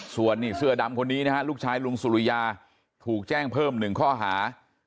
ส่วนนี่เสื้อดำคนนี้นะฮะลูกชายลุงสุริยาถูกแจ้งเพิ่ม๑ข้อหา